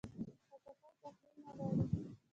خټکی پخلی نه غواړي.